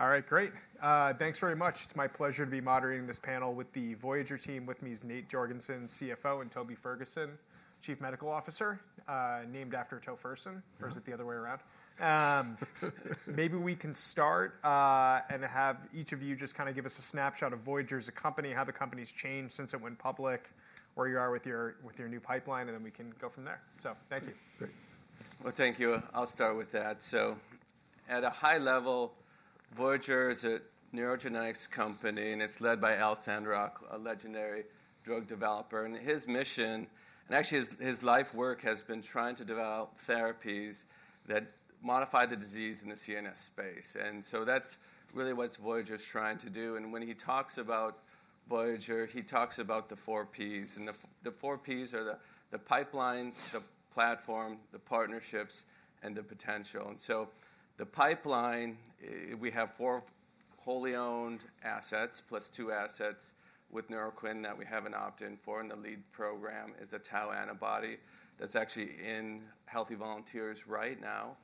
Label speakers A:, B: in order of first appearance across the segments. A: All right, great. Thanks very much. It's my pleasure to be moderating this panel with the Voyager team. With me is Nate Jorgensen, CFO, and Toby Ferguson, Chief Medical Officer, named after Todd Carter, or is it the other way around? Maybe we can start and have each of you just kind of give us a snapshot of Voyager as a company, how the company's changed since it went public, where you are with your new pipeline, and then we can go from there. Thank you.
B: Thank you. I'll start with that. At a high level, Voyager is a neurogenetics company, and it's led by Al Sandrock, a legendary drug developer. His mission, and actually his life work, has been trying to develop therapies that modify the disease in the CNS space. That's really what Voyager is trying to do. When he talks about Voyager, he talks about the four P's. The four P's are the pipeline, the platform, the partnerships, and the potential. The pipeline, we have four wholly owned assets plus two assets with Neurocrine Biosciences that we have an opt-in for. The lead program is a tau antibody that's actually in healthy volunteers right now.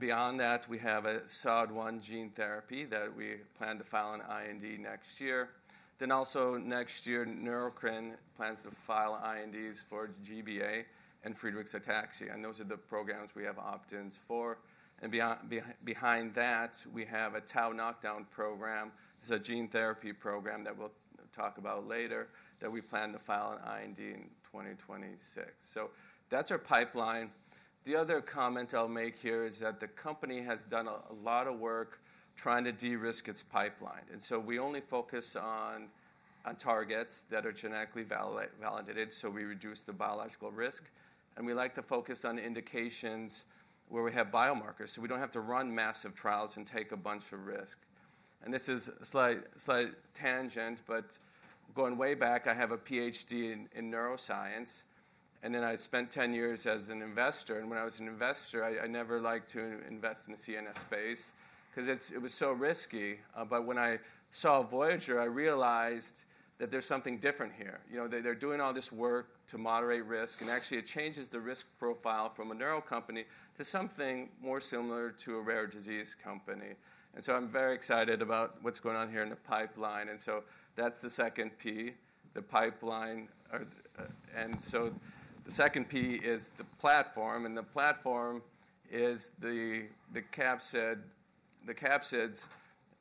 B: Beyond that, we have a SOD1 gene therapy that we plan to file an IND next year. Then also next year, Neurocrine Biosciences plans to file INDs for GBA and Friedreich's ataxia. Those are the programs we have opt-ins for. Behind that, we have a tau knockdown program. It's a gene therapy program that we'll talk about later that we plan to file an IND in 2026. So that's our pipeline. The other comment I'll make here is that the company has done a lot of work trying to de-risk its pipeline. We only focus on targets that are genetically validated, so we reduce the biological risk. We like to focus on indications where we have biomarkers so we don't have to run massive trials and take a bunch of risk. This is a slight tangent, but going way back, I have a Ph.D. in neuroscience. I spent 10 years as an investor. When I was an investor, I never liked to invest in the CNS space because it was so risky. But when I saw Voyager, I realized that there's something different here. They're doing all this work to moderate risk. Actually, it changes the risk profile from a neuro company to something more similar to a rare disease company. I'm very excited about what's going on here in the pipeline. That's the second P, the pipeline. The second P is the platform. The platform is the capsids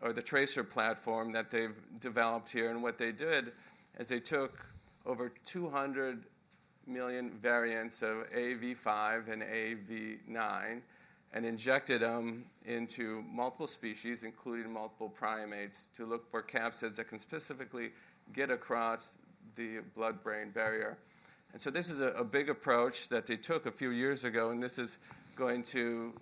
B: or the TRACER platform that they've developed here. What they did is they took over 200 million variants of AAV5 and AAV9 and injected them into multiple species, including multiple primates, to look for capsids that can specifically get across the blood-brain barrier. This is a big approach that they took a few years ago. This is going to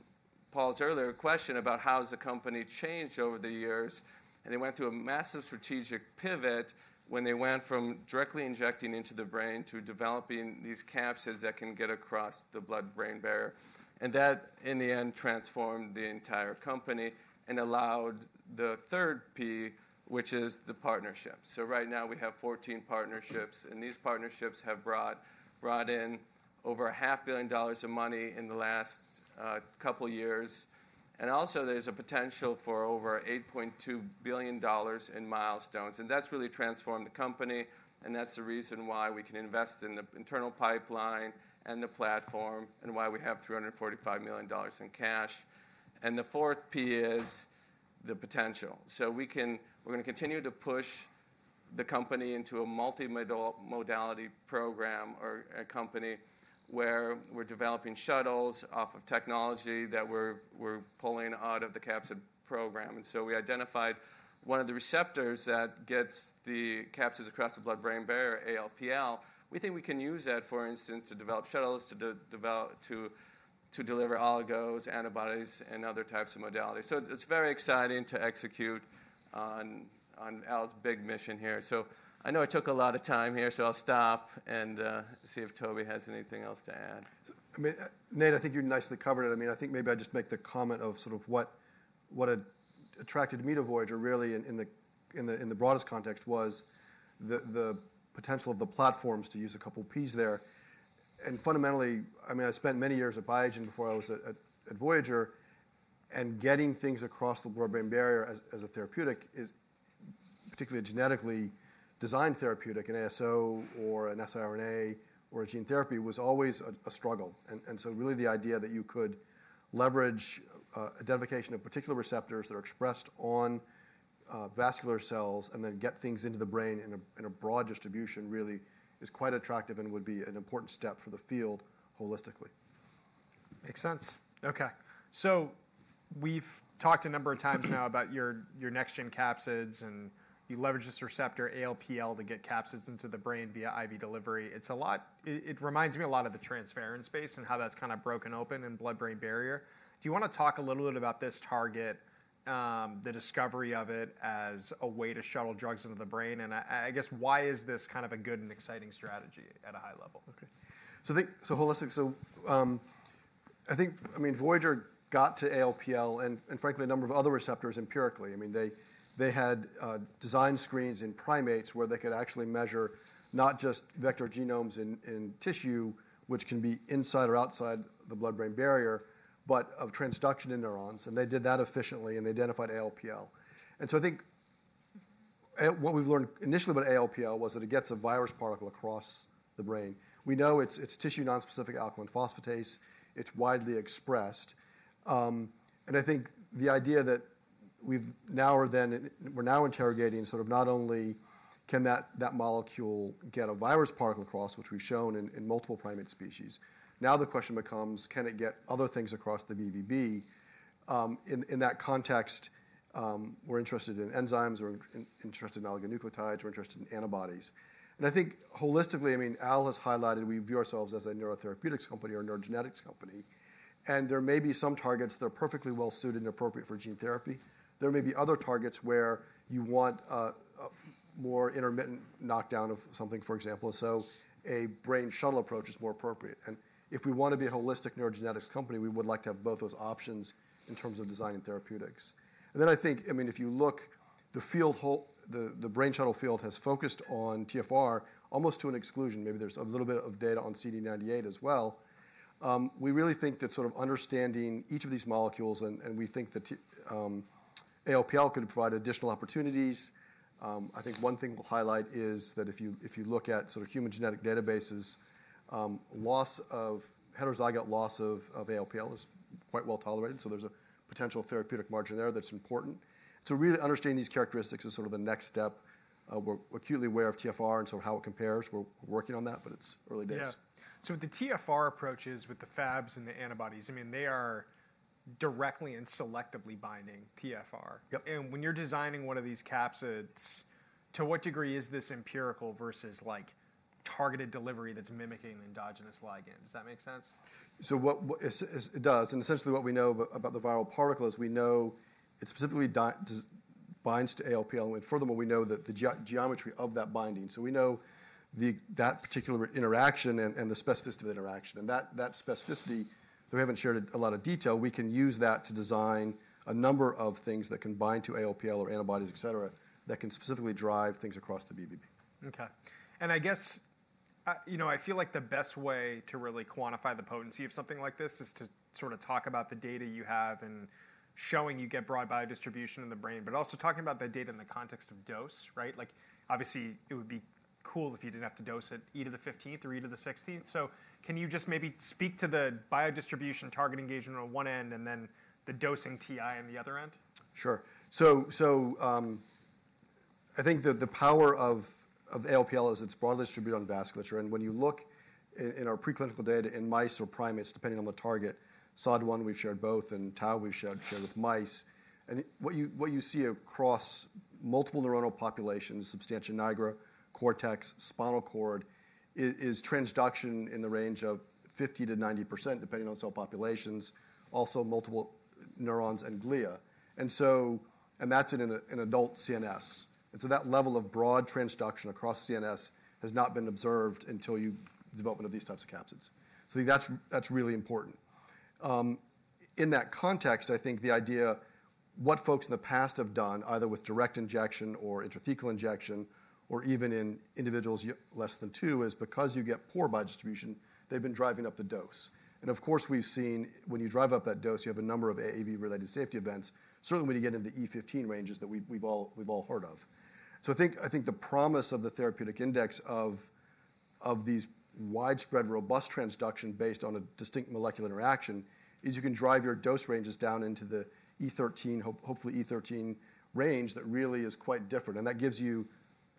B: Paul's earlier question about how has the company changed over the years. They went through a massive strategic pivot when they went from directly injecting into the brain to developing these capsids that can get across the blood-brain barrier. That, in the end, transformed the entire company and allowed the third P, which is the partnerships. Right now, we have 14 partnerships. These partnerships have brought in over $500 million in the last couple of years. Also, there's a potential for over $8.2 billion in milestones. That's really transformed the company. That's the reason why we can invest in the internal pipeline and the platform and why we have $345 million in cash. The fourth P is the potential. We're going to continue to push the company into a multi-modality program or a company where we're developing shuttles off of technology that we're pulling out of the capsid program. We identified one of the receptors that gets the capsids across the blood-brain barrier, ALPL. We think we can use that, for instance, to develop shuttles to deliver oligos, antibodies, and other types of modalities. It's very exciting to execute on Al's big mission here. I know I took a lot of time here, I'll stop and see if Toby has anything else to add.
C: Nate, I think you nicely covered it. I think maybe I just make the comment of sort of what attracted me to Voyager really in the broadest context was the potential of the platforms to use a couple of P's there. Fundamentally, I spent many years at Biogen before I was at Voyager. Getting things across the blood-brain barrier as a therapeutic, particularly a genetically designed therapeutic, an ASO or an siRNA or a gene therapy, was always a struggle. And so really the idea that you could leverage identification of particular receptors that are expressed on vascular cells and then get things into the brain in a broad distribution really is quite attractive and would be an important step for the field holistically.
A: Makes sense. OK, so we've talked a number of times now about your next-gen capsids. You leverage this receptor, ALPL, to get capsids into the brain via IV delivery. It reminds me a lot of the transporter space and how that's kind of broken open in blood-brain barrier. Do you want to talk a little bit about this target, the discovery of it as a way to shuttle drugs into the brain? I guess, why is this kind of a good and exciting strategy at a high level?
C: Holistic, I think, Voyager got to ALPL and, frankly, a number of other receptors empirically. I mean, they had design screens in primates where they could actually measure not just vector genomes in tissue, which can be inside or outside the blood-brain barrier, but of transduction in neurons. They did that efficiently. They identified ALPL. I think what we've learned initially about ALPL was that it gets a virus particle across the brain. We know it's tissue nonspecific alkaline phosphatase. It's widely expressed. I think the idea that we've now or then we're now interrogating sort of not only can that molecule get a virus particle across, which we've shown in multiple primate species, now the question becomes, can it get other things across the BBB? In that context, we're interested in enzymes. We're interested in oligonucleotides. We're interested in antibodies. I think holistically, I mean, Al has highlighted we view ourselves as a neurotherapeutics company or neurogenetics company. There may be some targets that are perfectly well suited and appropriate for gene therapy. There may be other targets where you want a more intermittent knockdown of something, for example. A brain shuttle approach is more appropriate. If we want to be a holistic neurogenetics company, we would like to have both those options in terms of design and therapeutics. I think, I mean, if you look, the brain shuttle field has focused on TFR almost to the exclusion. Maybe there's a little bit of data on CD98 as well. We really think that sort of understanding each of these molecules, and we think that ALPL could provide additional opportunities. I think one thing we'll highlight is that if you look at sort of human genetic databases, loss of heterozygous loss of ALPL is quite well tolerated. So there's a potential therapeutic margin there that's important. So really understanding these characteristics is sort of the next step. We're acutely aware of TFR and sort of how it compares. We're working on that, but it's early days.
A: The TFR approaches with the Fabs and the antibodies, I mean, they are directly and selectively binding TFR. When you're designing one of these capsids, to what degree is this empirical versus targeted delivery that's mimicking endogenous ligands? Does that make sense?
C: It does. Essentially, what we know about the viral particle is we know it specifically binds to ALPL. Furthermore, we know the geometry of that binding. So we know that particular interaction and the specificity of the interaction. That specificity, though we haven't shared a lot of detail, we can use that to design a number of things that can bind to ALPL or antibodies, et cetera, that can specifically drive things across the BBB.
A: OK. I guess, you know, I feel like the best way to really quantify the potency of something like this is to sort of talk about the data you have and showing you get broad biodistribution in the brain, but also talking about the data in the context of dose. Right? Obviously, it would be cool if you didn't have to dose it either the E15 or either the E16. Can you just maybe speak to the biodistribution target engagement on one end and then the dosing TI on the other end?
C: Sure. I think that the power of ALPL is it's broadly distributed on vasculature. When you look in our preclinical data in mice or primates, depending on the target, SOD1, we've shared both, and tau we've shared with mice. What you see across multiple neuronal populations, substantia nigra, cortex, spinal cord, is transduction in the range of 50% to 90%, depending on cell populations, also multiple neurons and glia. That's in an adult CNS. That level of broad transduction across CNS has not been observed until the development of these types of capsids. That's really important. In that context, I think the idea what folks in the past have done, either with direct injection or intrathecal injection or even in individuals less than 2, is because you get poor biodistribution, they've been driving up the dose. Of course, we've seen when you drive up that dose, you have a number of AAV-related safety events, certainly when you get into the E15 ranges that we've all heard of. I think the promise of the therapeutic index of this widespread, robust transduction based on a distinct molecular interaction is you can drive your dose ranges down into the E13, hopefully E13 range that really is quite different. That gives you,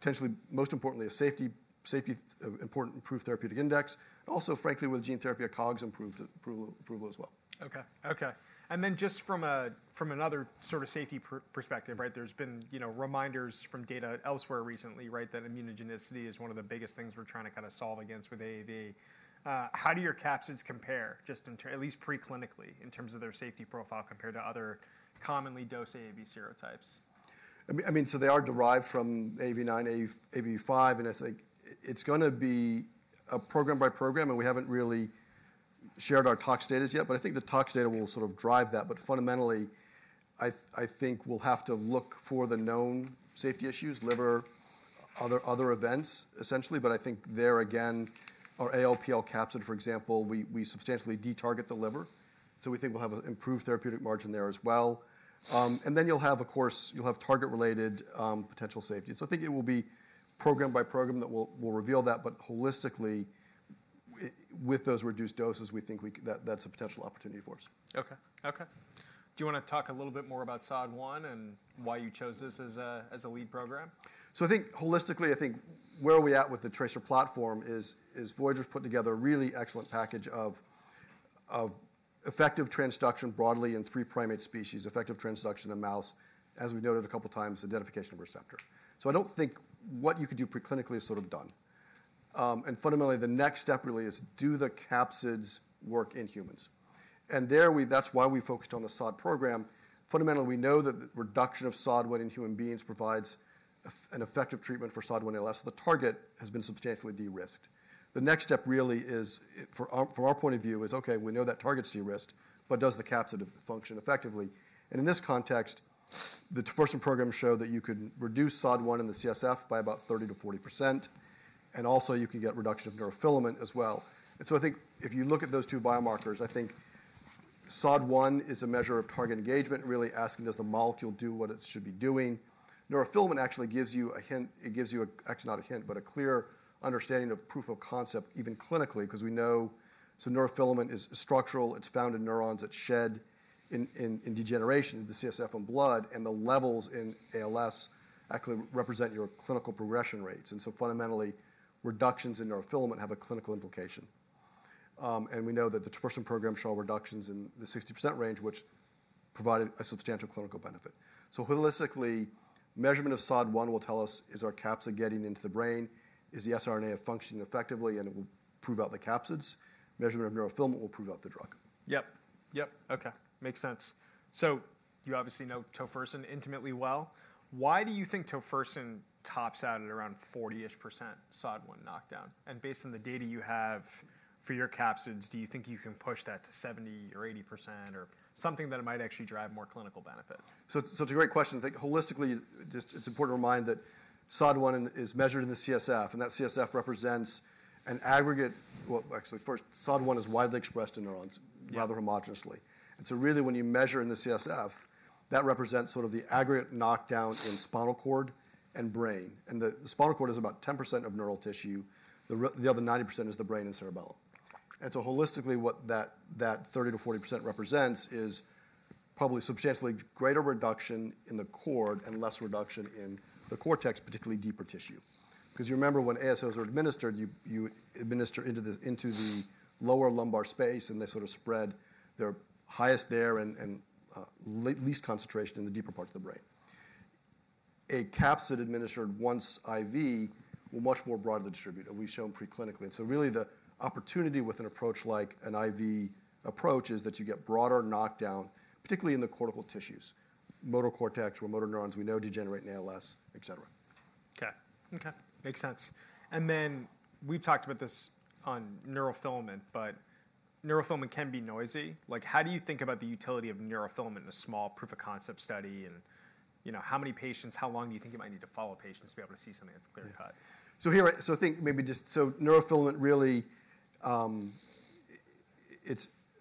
C: potentially, most importantly, a safety-important improved therapeutic index. Also, frankly, with gene therapy, a COGS-improved approval as well.
A: Just from another sort of safety perspective, there's been reminders from data elsewhere recently that immunogenicity is one of the biggest things we're trying to kind of solve against with AAV. How do your capsids compare, just at least preclinically, in terms of their safety profile compared to other commonly dosed AAV serotypes?
C: They are derived from AAV9, AAV5, and it's going to be a program by program, and we haven't really shared our tox data yet, but I think the tox data will sort of drive that, but fundamentally, I think we'll have to look for the known safety issues, liver, other events, essentially. I think there, again, our ALPL capsid, for example, we substantially detarget the liver, so we think we'll have an improved therapeutic margin there as well, and then you'll have, of course, you'll have target-related potential safety, so I think it will be program by program that will reveal that, but holistically, with those reduced doses, we think that's a potential opportunity for us.
A: OK. Do you want to talk a little bit more about SOD1 and why you chose this as a lead program? I think holistically, I think where we are at with the TRACER platform is Voyager's put together a really excellent package of effective transduction broadly in three primate species, effective transduction in mice, as we've noted a couple of times, identification of receptor. I don't think what you could do preclinically is sort of done. Fundamentally, the next step really is do the capsids work in humans. That's why we focused on the SOD1 program. Fundamentally, we know that reduction of SOD1 in human beings provides an effective treatment for SOD1 ALS. The target has been substantially de-risked. The next step really is, from our point of view, is, OK, we know that target's de-risked, but does the capsid function effectively? In this context, the tofersen program showed that you could reduce SOD1 in the CSF by about 30% to 40%. You can get reduction of neurofilament as well. I think if you look at those two biomarkers, I think SOD1 is a measure of target engagement, really asking, does the molecule do what it should be doing? Neurofilament actually gives you a hint. It gives you actually not a hint, but a clear understanding of proof of concept, even clinically, because we know neurofilament is structural. It's found in neurons that shed in degeneration in the CSF and blood. The levels in ALS actually represent your clinical progression rates. Fundamentally, reductions in neurofilament have a clinical implication. We know that the tofersen program showed reductions in the 60% range, which provided a substantial clinical benefit. Holistically, measurement of SOD1 will tell us, is our capsid getting into the brain? Is the siRNA functioning effectively? It will prove out the capsids. Measurement of neurofilament will prove out the drug. OK. Makes sense. You obviously know tofersen intimately well. Why do you think tofersen tops out at around 40% SOD1 knockdown? Based on the data you have for your capsids, do you think you can push that to 70% or 80% or something that might actually drive more clinical benefit?
C: It's a great question. I think holistically, it's important to remind that SOD1 is measured in the CSF. And that CSF represents an aggregate well, actually, first, SOD1 is widely expressed in neurons, rather homogeneously. Really, when you measure in the CSF, that represents sort of the aggregate knockdown in spinal cord and brain. The spinal cord is about 10% of neural tissue. The other 90% is the brain and cerebellum. Holistically, what that 30% to 40% represents is probably substantially greater reduction in the cord and less reduction in the cortex, particularly deeper tissue. Because you remember when ASOs are administered, you administer into the lower lumbar space. They sort of spread their highest there and least concentration in the deeper parts of the brain. A capsid administered once IV will much more broadly distribute, and we've shown preclinically. Really, the opportunity with an approach like an IV approach is that you get broader knockdown, particularly in the cortical tissues, motor cortex, where motor neurons we know degenerate in ALS, et cetera.
A: OK. OK. Makes sense. We've talked about this on neurofilament. But neurofilament can be noisy. How do you think about the utility of neurofilament in a small proof of concept study? How many patients? How long do you think you might need to follow patients to be able to see something that's clear-cut?
C: Here, I think maybe just [on] neurofilament really.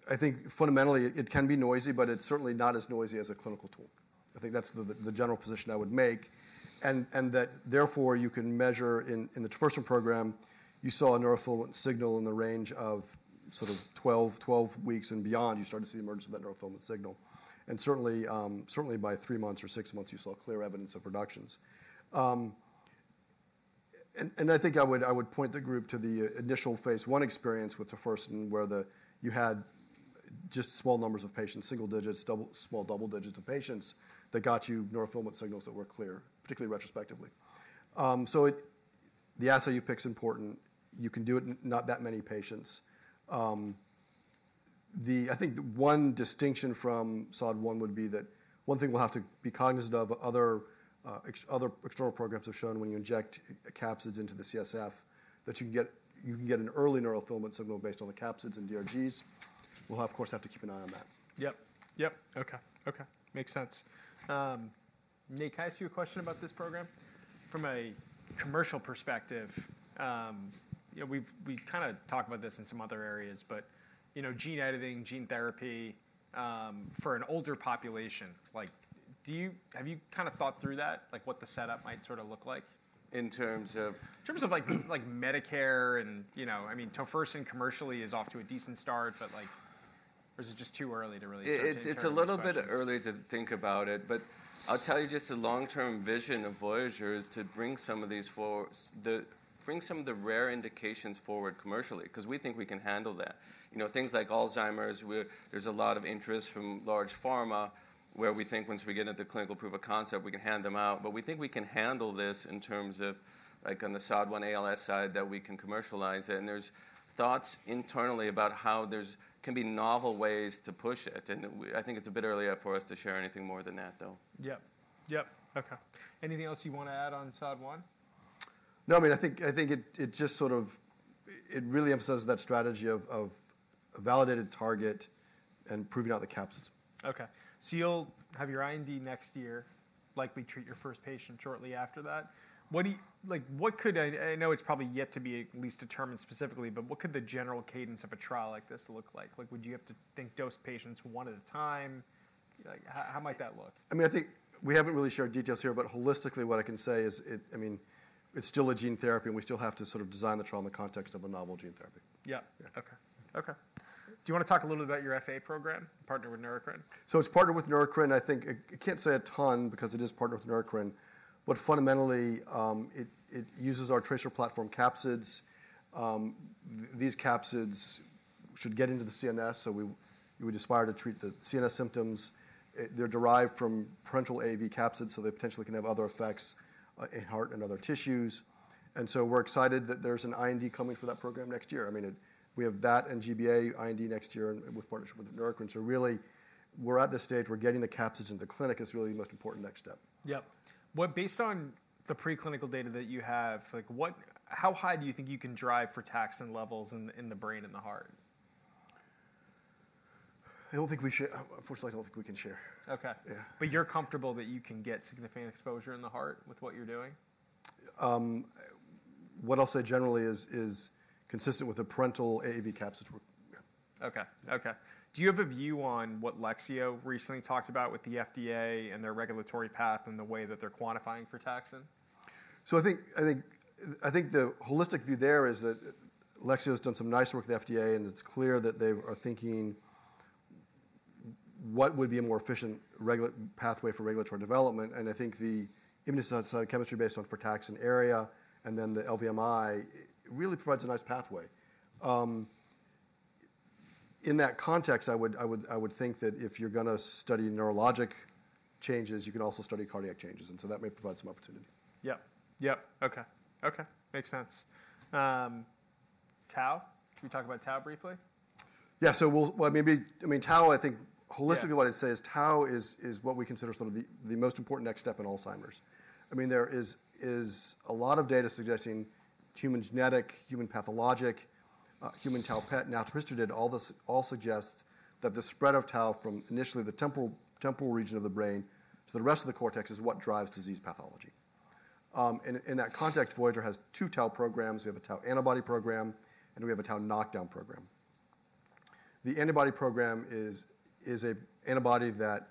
C: I think fundamentally, it can be noisy. It's certainly not as noisy as a clinical tool. I think that's the general position I would make. And that therefore, you can measure in the tofersen program. You saw a neurofilament signal in the range of sort of 12 weeks and beyond. You started to see emergence of that neurofilament signal. Certainly, by three months or six months, you saw clear evidence of reductions. I think I would point the group to the initial phase one experience with tofersen, where you had just small numbers of patients, single digits, small double digits of patients that got you neurofilament signals that were clear, particularly retrospectively. The assay you pick is important. You can do it in not that many patients. I think one distinction from SOD1 would be that one thing we'll have to be cognizant of. Other external programs have shown when you inject capsids into the CSF, that you can get an early neurofilament signal based on the capsids and DRGs. We'll, of course, have to keep an eye on that.
A: OK. Makes sense. Nate, can I ask you a question about this program? From a commercial perspective, we kind of talk about this in some other areas. But gene editing, gene therapy for an older population, have you kind of thought through that, what the setup might sort of look like?
B: In terms of?
A: In terms of Medicare. I mean, tofersen commercially is off to a decent start. But is it just too early to really?
B: It's a little bit early to think about it. But I'll tell you, just the long-term vision of Voyager is to bring some of these forward, bring some of the rare indications forward commercially, because we think we can handle that. Things like Alzheimer's, there's a lot of interest from large pharma where we think once we get into clinical proof of concept, we can hand them out. But we think we can handle this in terms of, on the SOD1 ALS side, that we can commercialize it. There's thoughts internally about how there can be novel ways to push it. I think it's a bit early for us to share anything more than that, though.
A: Yep. Yep. OK. Anything else you want to add on SOD1?
C: No. I think it just sort of really emphasizes that strategy of a validated target and proving out the capsids.
A: OK. You'll have your IND next year, likely to treat your first patient shortly after that. I know it's probably yet to be determined at least specifically. But what could the general cadence of a trial like this look like? Would you have to dose patients one at a time? How might that look?
C: I mean, I think we haven't really shared details here. But holistically, what I can say is, I mean, it's still a gene therapy. And we still have to sort of design the trial in the context of a novel gene therapy.
A: Yep. OK. OK. Do you want to talk a little bit about your FA program, partnered with Neurocrine?
C: It's partnered with Neurocrine Biosciences. I think I can't say a ton, because it is partnered with Neurocrine Biosciences. Fundamentally, it uses our TRACER platform capsids. These capsids should get into the CNS. We would aspire to treat the CNS symptoms. They're derived from parental AAV capsids. They potentially can have other effects in heart and other tissues. We're excited that there's an IND coming for that program next year. We have that and GBA IND next year with partnership with Neurocrine Biosciences. Really, we're at this stage, we're getting the capsids into the clinic. It's really the most important next step.
A: Well, based on the preclinical data that you have, how high do you think you can drive frataxin levels in the brain and the heart?
C: I don't think we should. Unfortunately, I don't think we can share.
A: You're comfortable that you can get significant exposure in the heart with what you're doing?
C: What I'll say generally is consistent with the parenteral AAV capsids.
A: Do you have a view on what Lexeo recently talked about with the FDA and their regulatory path and the way that they're quantifying frataxin?
C: I think the holistic view there is that Lexeo has done some nice work with the FDA. And it's clear that they are thinking what would be a more efficient pathway for regulatory development. I think the immunosensitized chemistry based on frataxin area and then the LVMI really provides a nice pathway. In that context, I would think that if you're going to study neurologic changes, you can also study cardiac changes. And so that may provide some opportunity.
A: Yep. OK. Makes sense. Toby, can you talk about tau briefly?
C: Maybe Tau. I think holistically what I'd say is Tau is what we consider sort of the most important next step in Alzheimer's. There is a lot of data suggesting human genetic, human pathologic, human Tau PET, natural history data all suggest that the spread of Tau from initially the temporal region of the brain to the rest of the cortex is what drives disease pathology. In that context, Voyager has two Tau programs. We have a Tau antibody program. We have a Tau knockdown program. The antibody program is an antibody that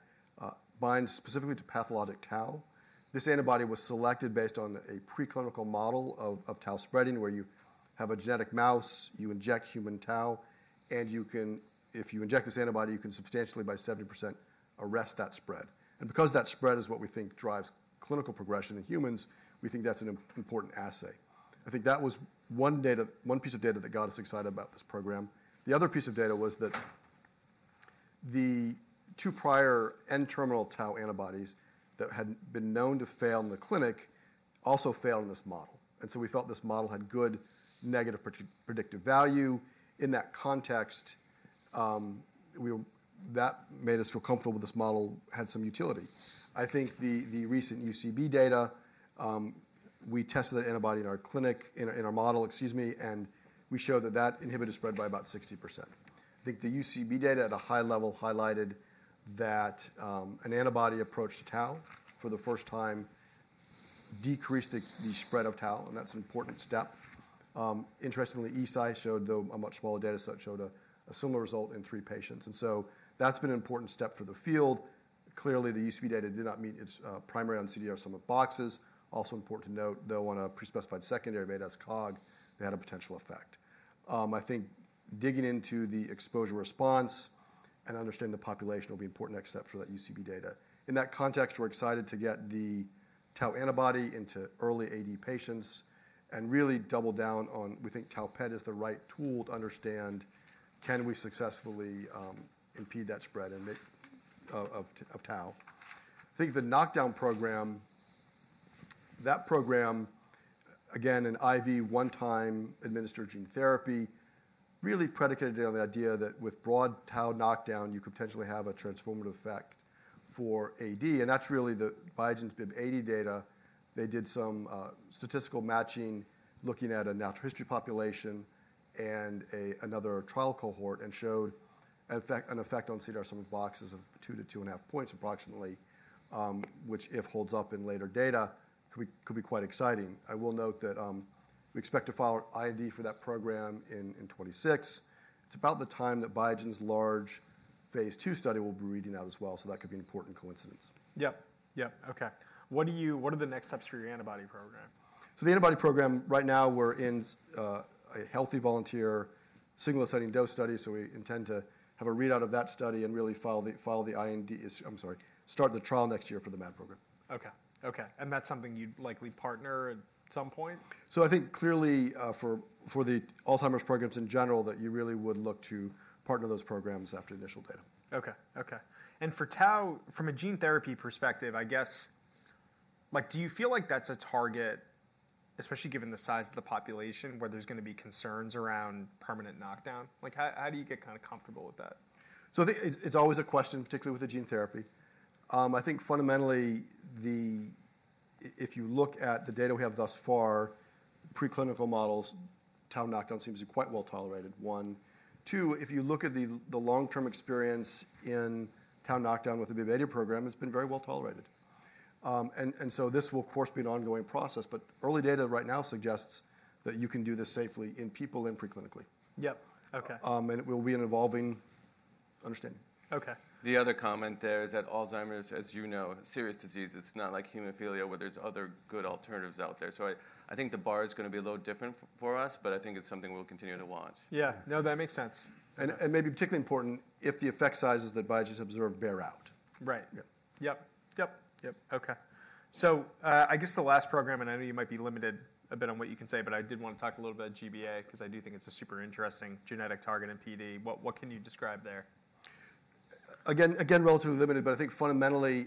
C: binds specifically to pathologic Tau. This antibody was selected based on a preclinical model of Tau spreading, where you have a genetic mouse, you inject human Tau. If you inject this antibody, you can substantially, by 70%, arrest that spread. Because that spread is what we think drives clinical progression in humans, we think that's an important assay. I think that was one piece of data that got us excited about this program. The other piece of data was that the two prior N-terminal Tau antibodies that had been known to fail in the clinic also failed in this model. We felt this model had good negative predictive value. In that context, that made us feel comfortable with this model had some utility. I think the recent UCB data, we tested that antibody in our clinic, in our model, excuse me. We showed that that inhibited spread by about 60%. I think the UCB data at a high level highlighted that an antibody approach to Tau for the first time decreased the spread of Tau. That's an important step. Interestingly, Eisai showed a much smaller data set that showed a similar result in three patients. And so that's been an important step for the field. Clearly, the UCB data did not meet its primary endpoint CDR sum of boxes. Also important to note, though, on a prespecified secondary, ADAS-Cog, they had a potential effect. I think digging into the exposure response and understanding the population will be an important next step for that UCB data. In that context, we're excited to get the Tau antibody into early AD patients and really double down on, we think Tau PET is the right tool to understand, can we successfully impede that spread of Tau? I think the knockdown program, that program, again, an IV one-time administered gene therapy, really predicated on the idea that with broad Tau knockdown, you could potentially have a transformative effect for AD. That's really Biogen's BIIB080 data. They did some statistical matching, looking at a natural history population and another trial cohort, and showed an effect on CDR sum of boxes of two to two and one-half points approximately, which, if holds up in later data, could be quite exciting. I will note that we expect to file IND for that program in 2026. It's about the time that Biogen's large phase two study will be reading out as well. That could be an important coincidence.
A: What are the next steps for your antibody program?
C: The antibody program, right now, we're in a healthy volunteer single-ascending dose study. We intend to have a readout of that study and really file the IND, I'm sorry, start the trial next year for the MAD program.
A: That's something you'd likely partner at some point?
C: I think clearly, for the Alzheimer's programs in general, that you really would look to partner those programs after initial data.
A: For Tau, from a gene therapy perspective, I guess, do you feel like that's a target, especially given the size of the population, where there's going to be concerns around permanent knockdown? How do you get kind of comfortable with that?
C: I think it's always a question, particularly with the gene therapy. I think fundamentally, if you look at the data we have thus far, preclinical models, Tau knockdown seems to be quite well tolerated, one. Two, if you look at the long-term experience in Tau knockdown with the BIIB080 program, it's been very well tolerated. This will, of course, be an ongoing process. But early data right now suggests that you can do this safely in people and preclinically. It will be an evolving understanding.
B: The other comment there is that Alzheimer's, as you know, is a serious disease. It's not like hemophilia, where there's other good alternatives out there. So I think the bar is going to be a little different for us. But I think it's something we'll continue to watch.
C: No, that makes sense, and maybe particularly important if the effect sizes that Biogen's observed bear out.
A: Right. I guess the last program, and I know you might be limited a bit on what you can say. But I did want to talk a little bit about GBA, because I do think it's a super interesting genetic target in PD. What can you describe there?
C: Again, relatively limited. But I think fundamentally,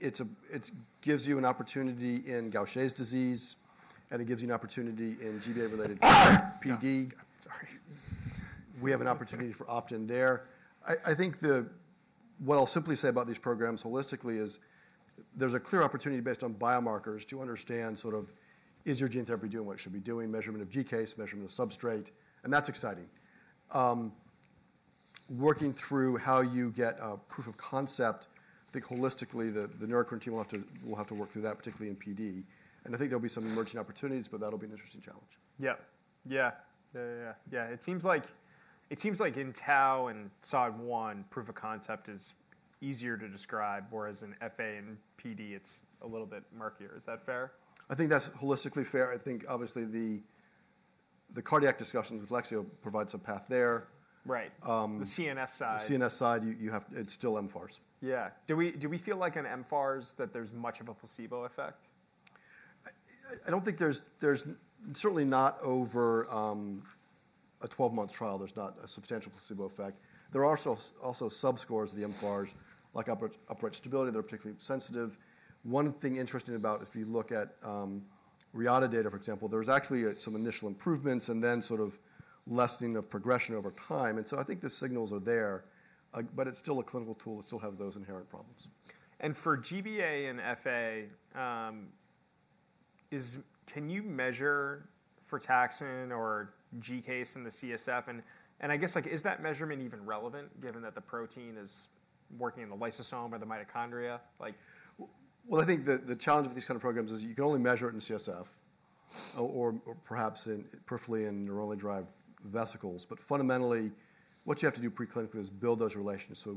C: it gives you an opportunity in Gaucher's disease. It gives you an opportunity in GBA-related PD. Sorry. We have an opportunity for option there. I think what I'll simply say about these programs holistically is there's a clear opportunity based on biomarkers to understand sort of, is your gene therapy doing what it should be doing, measurement of GCase, measurement of substrate. That's exciting. Working through how you get a proof of concept, I think holistically, the Neurocrine team will have to work through that, particularly in PD. And I think there'll be some emerging opportunities. But that'll be an interesting challenge.
A: It seems like in Tau and SOD1, proof of concept is easier to describe, whereas in FA and PD, it's a little bit murkier. Is that fair?
C: I think that's holistically fair. I think, obviously, the cardiac discussions with Lexeo provide some path there.
A: Right. The CNS side.
C: The CNS side, it's still mFARS.
A: Do we feel like in mFARS that there's much of a placebo effect?
C: I don't think there's certainly not over a 12-month trial. There's not a substantial placebo effect. There are also sub-scores of the MFARS, like upright stability. They're particularly sensitive. One thing interesting about, if you look at Reata data, for example, there was actually some initial improvements and then sort of lessening of progression over time. I think the signals are there. But it's still a clinical tool. It still has those inherent problems.
A: For GBA and FA, can you measure for frataxin or GCase in the CSF? I guess, is that measurement even relevant, given that the protein is working in the lysosome or the mitochondria?
C: Well, I think the challenge with these kind of programs is you can only measure it in CSF or perhaps peripherally in neuronally derived vesicles. But fundamentally, what you have to do preclinically is build those relationships. So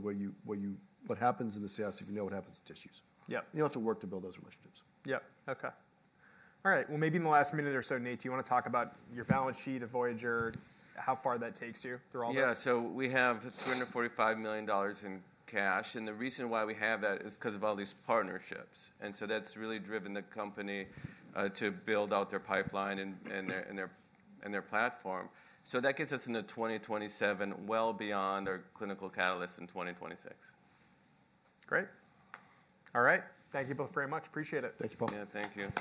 C: what happens in the CSF, you know what happens in tissues. You have to work to build those relationships.
A: All right. Well, maybe in the last minute or so, Nate, do you want to talk about your balance sheet of Voyager, how far that takes you through all this?
B: Yeah, we have $345 million in cash, and the reason why we have that is because of all these partnerships, that's really driven the company to build out their pipeline and their platform, so that gets us into 2027 well beyond. Clinical catalysts in 2026.
A: Great. All right. Thank you both very much. Appreciate it.
C: Thank you both.
B: Thank you.